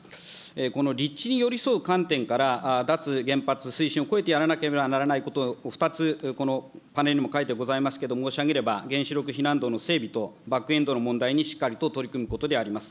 この立地に寄り添う観点から、脱原発、推進を超えてやらなければならないことが２つこのパネルにも書いてございますけれども、申し上げれば、原子力避難道の整備とバックエンドにしっかり取り組むことであります。